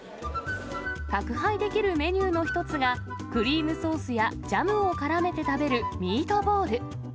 宅配できるメニューの一つが、クリームソースやジャムをからめて食べるミートボール。